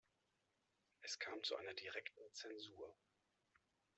Es kam zu einer direkten Zensur.